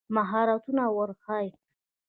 مهارتونه ور وښایي.